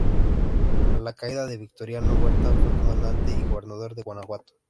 A la caída de Victoriano Huerta, fue comandante y gobernador de Guanajuato.